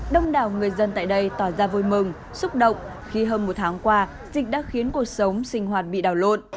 đông đảo người dân tại đây tỏ ra vui mừng xúc động khi hơn một tháng qua dịch đã khiến cuộc sống sinh hoạt bị đảo lộn